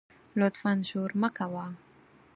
لطفآ شور مه کوه